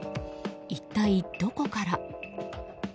一体どこから？